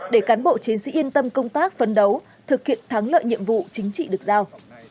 để cán bộ chiến sĩ yên tâm công tác phấn đấu thực hiện thắng lợi nhiệm vụ chính trị được giao